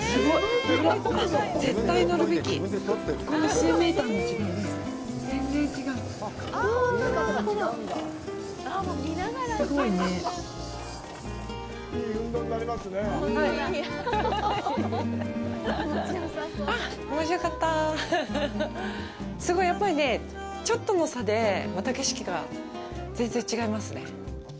すごい、やっぱりね、ちょっとの差でまた景色が全然違いますね。